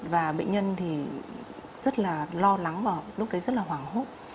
và bệnh nhân thì rất là lo lắng và lúc đấy rất là hoảng hốt